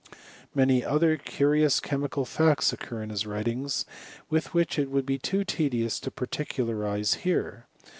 Many other curious chemical facts occur in his writings, which it would be too te dious to particularize here.